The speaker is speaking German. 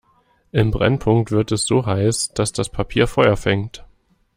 Im Brennpunkt wird es so heiß, dass das Papier Feuer fängt.